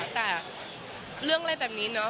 แต่เรื่องอะไรแบบนี้เนาะ